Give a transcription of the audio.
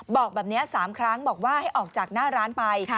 บอกแบบนี้๓ครั้งบอกว่าให้ออกจากหน้าร้านไป